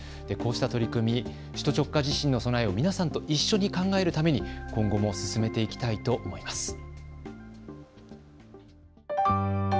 こうした取り組み、首都直下地震の備えを皆さんと一緒に考えるために今後も進めていきたいと思います。